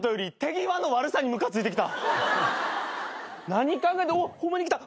何考えておっホンマに来た！